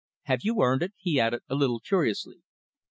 Have you earned it?" he added, a little curiously.